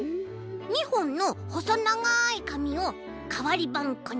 ２ほんのほそながいかみをかわりばんこにおって。